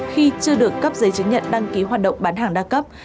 khi chưa được cấp giấy chứng nhận đăng ký hoạt động bán hàng đa cấp